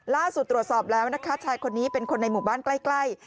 ล่าสุดตรวจสอบแล้วชายคนนี้เป็นคนในหมู่บ้านใกล้